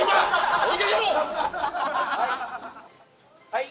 はい。